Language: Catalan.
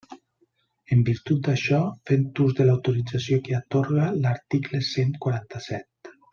En virtut d'això, fent ús de l'autorització que atorga l'article cent quaranta-set.